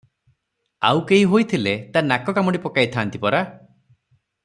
ଆଉ କେହି ହୋଇଥିଲେ ତା ନାକ କାମୁଡ଼ି ପକାଇଥାନ୍ତି ପରା?